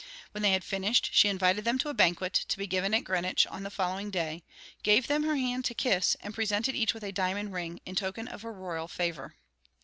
When they had finished she invited them to a banquet, to be given at Greenwich on the following day, gave them her hand to kiss, and presented each with a diamond ring, in token of her royal favor.